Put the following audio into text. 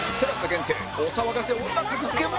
限定お騒がせ女格付けも